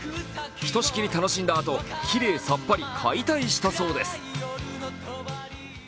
ひとしきり楽しんだあと、きれいさっぱり解体したそうです。